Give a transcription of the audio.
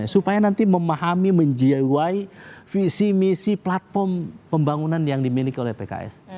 supaya nanti memahami menjiawai visi misi platform pembangunan yang dimiliki oleh pks